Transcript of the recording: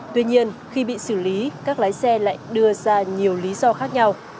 tuy nhiên khi bị xử lý các lái xe lại đưa ra nhiều lý do khác nhau